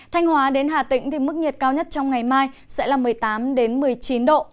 thanh hóa đến hà tĩnh mức nhiệt cao nhất trong ngày mai sẽ là một mươi tám một mươi chín độ